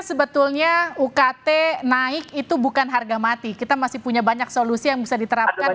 sebetulnya ukt naik itu bukan harga mati kita masih punya banyak solusi yang bisa diterapkan